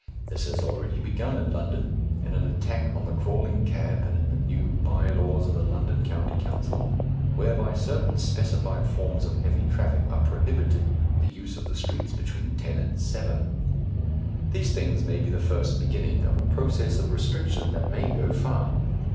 This has already begun in London in an attack on the crawling cab and in the new bye laws of the London County Council, whereby certain specified forms of heavy traffic are prohibited the use of the streets between ten and seven. These things may be the first beginning of a process of restriction that may go far.